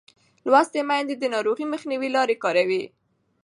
لوستې میندې د ناروغۍ مخنیوي لارې کاروي.